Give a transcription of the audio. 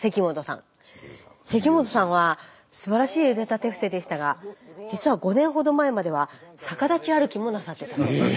関本さんはすばらしい腕立て伏せでしたが実は５年ほど前までは逆立ち歩きもなさってたそうです。